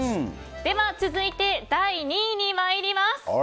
では続いて第２位に参ります。